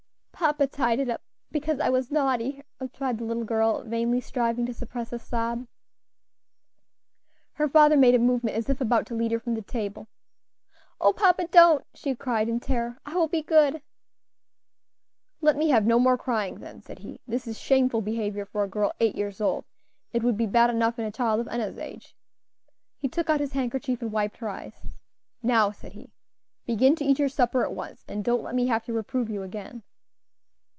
"Papa tied it up, because I was naughty," replied the little girl, vainly striving to suppress a sob. Her father made a movement as if about to lead her from the table. "O papa! don't" she cried, in terror; "I will be good." "Let me have no more crying, then," said he; "this is shameful behavior for a girl eight years old; it would be bad enough in a child of Enna's age." He took out his handkerchief and wiped her eyes. "Now," said he, "begin to eat your supper at once, and don't let me have to reprove you again."